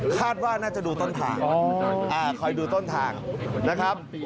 คาดว่าน่าจะดูต้นทางคอยดูต้นทางนะครับ